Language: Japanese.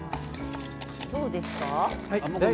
どうですか？